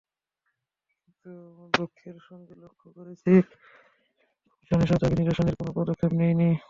কিন্তু দুঃখের সঙ্গে লক্ষ্ করছি, কমিশন এসব দাবি নিরসনের কোনো পদক্ষেপ নেয়নি।